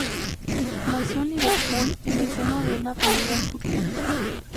Nació en Liverpool en el seno de una familia judía.